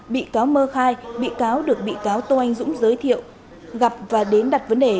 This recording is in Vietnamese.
bị cáo mơ khai bị cáo được bị cáo tô anh dũng giới thiệu gặp và đến đặt vấn đề